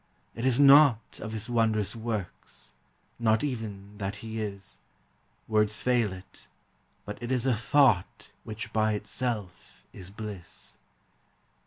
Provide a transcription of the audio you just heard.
It is not of his wondrous works, Not even that he is; Words fail it, but it is a thought Which by itself is bliss.